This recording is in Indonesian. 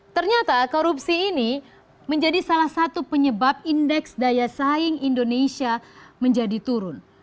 ternyata korupsi ini menjadi salah satu penyebab indeks daya saing indonesia menjadi turun